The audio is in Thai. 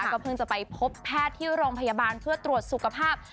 ก็เพิ่งจะไปพบแพทย์ที่โรงพยาบาลเพื่อตรวจสุขภาพ